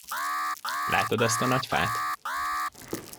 Látod azt a nagy fát?